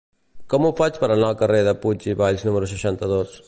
Com ho faig per anar al carrer de Puig i Valls número seixanta-dos?